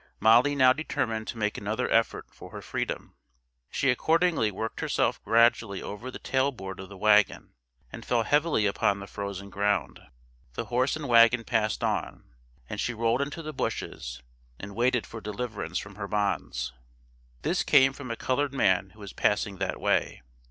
Molly now determined to make another effort for her freedom. She accordingly worked herself gradually over the tail board of the wagon, and fell heavily upon the frozen ground. The horse and wagon passed on, and she rolled into the bushes, and waited for deliverance from her bonds. This came from a colored man who was passing that way.